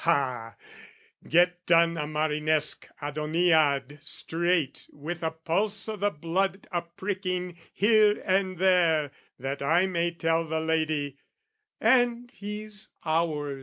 Ah!) "Get done a Marinesque Adoniad straight "With a pulse o' the blood a pricking, here and there "That I may tell the lady, 'And he's ours!"'